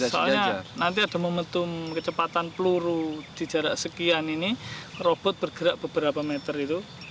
soalnya nanti ada momentum kecepatan peluru di jarak sekian ini robot bergerak beberapa meter itu